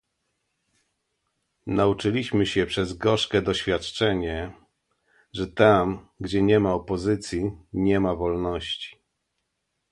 Nauczyliśmy się przez gorzkie doświadczenie, że tam, gdzie nie ma opozycji nie ma wolności